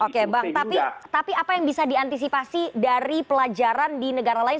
oke bang tapi apa yang bisa diantisipasi dari pelajaran di negara lain